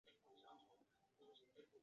结果就一共买了三本